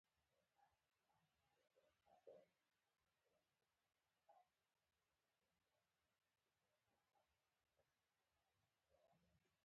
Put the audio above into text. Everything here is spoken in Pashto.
سړک باید سمدستي ترمیم شي که خراب وي.